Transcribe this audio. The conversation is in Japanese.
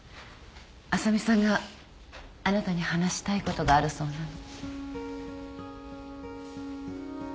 あさみさんがあなたに話したいことがあるそうなの。